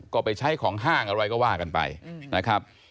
ก็ไปใช้ของห้างอะไรก็ว่ากันไปนะครับ